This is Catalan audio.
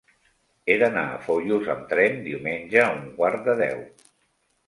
He d'anar a Foios amb tren diumenge a un quart de deu.